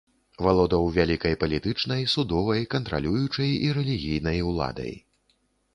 Валодаў вялікай палітычнай, судовай, кантралюючай і рэлігійнай уладай.